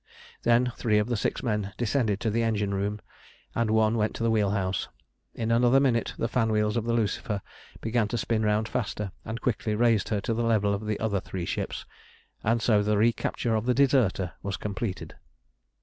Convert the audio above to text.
Then three of the six men descended to the engine room, and one went to the wheel house. In another minute the fan wheels of the Lucifer began to spin round faster, and quickly raised her to the level of the other three ships, and so the recapture of the deserter was completed.